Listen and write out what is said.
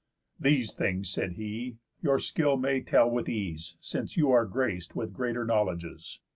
_ "These things," said he, "your skill may tell with ease, Since you are grac'd with greater knowledges.